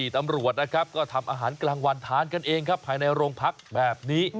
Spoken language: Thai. ตำรวจนะครับก็ทำอาหารกลางวันทานกันเองครับภายในโรงพักแบบนี้